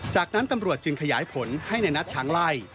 จากนั้นตำรวจจึงขยายผลให้ในนัดช้างไล่